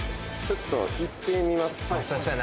ちょっと行ってみます